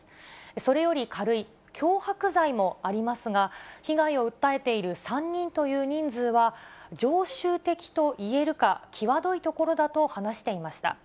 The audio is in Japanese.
それより軽い脅迫罪もありますが、被害を訴えている３人という人数は、常習的と言えるか、際どいところだと話していました。